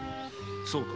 そうか。